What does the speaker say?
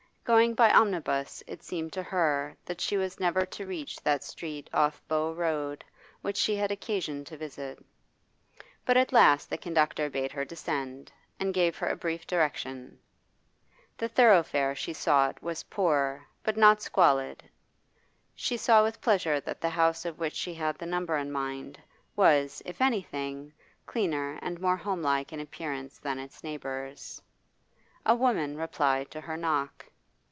Going by omnibus it seemed to her that she was never to reach that street off Bow Road which she had occasion to visit. But at last the conductor bade her descend, and gave her a brief direction The thoroughfare she sought was poor but not squalid she saw with pleasure that the house of which she had the number in mind was, if anything, cleaner and more homelike in appearance than its neighbours. A woman replied to her knock.